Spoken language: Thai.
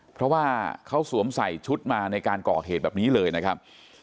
เพราะว่าเขาสวมใส่ชุดมาในการก่อเหตุแบบนี้เลยนะครับ